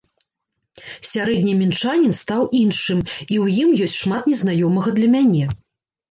Сярэдні мінчанін стаў іншым, і ў ім ёсць шмат незнаёмага для мяне.